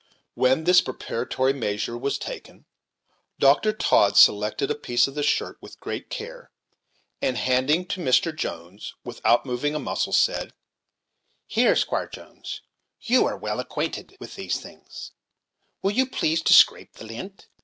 When this preparatory measure was taken, Dr. Todd selected a piece of the shirt with great care, and handing to Mr. Jones, without moving a muscle, said: "Here, Squire Jones, you are well acquainted with these things; will you please to scrape the lint?